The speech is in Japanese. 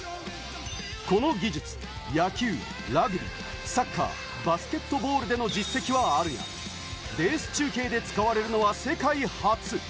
この技術、野球、ラグビー、サッカー、バスケットボールでの実績はあるが、レース中継で使われるのは世界初。